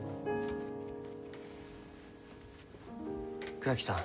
倉木さん